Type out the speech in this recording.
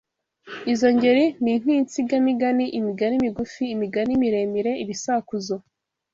Izo ngeri ni nk’insigamigani imigani migufi imigani miremire ibisakuzo